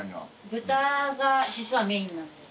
豚が実はメインなんで。